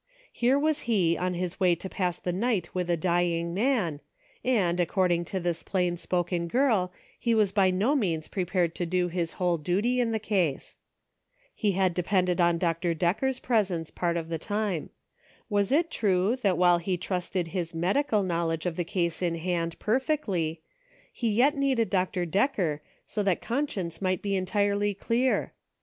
Here was he on his way to pass the night with a dying man, and, according to this plain spoken girl, he was by no means prepared to do his whole duty in the case. He had depended on Dr. Decker's presence part of the time. Was it true that while he trusted his medical knowledge of the case in hand, perfectly, he yet needed Dr. Decker, so that conscience might be entirely clear